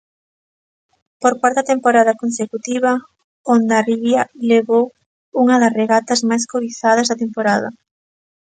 Por cuarta temporada consecutiva Hondarribia levou unha das regatas máis cobizadas da temporada.